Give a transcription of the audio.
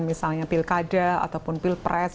misalnya pilkada ataupun pilpres